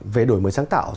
về đổi mới sáng tạo